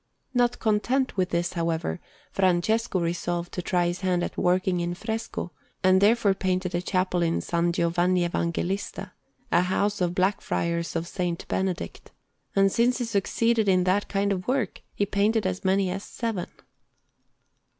Not content with this, however, Francesco resolved to try his hand at working in fresco, and therefore painted a chapel in S. Giovanni Evangelista, a house of Black Friars of S. Benedict; and since he succeeded in that kind of work, he painted as many as seven.